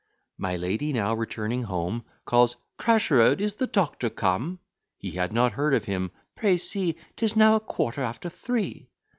My lady now returning home, Calls "Cracherode, is the Doctor come?" He had not heard of him "Pray see, 'Tis now a quarter after three."